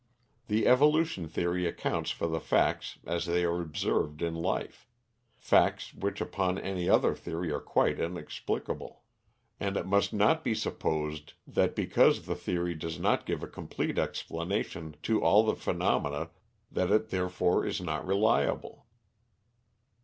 The evolution theory accounts for the facts as they are observed in life facts which upon any other theory are quite inexplicable. And it must not be supposed that because the theory does not give a complete explanation to all the phenomena that it therefore is not reliable.